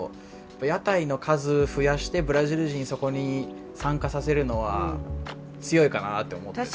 屋台の数増やしてブラジル人そこに参加させるのは強いかなって思ってて。